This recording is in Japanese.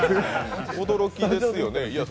驚きですよね。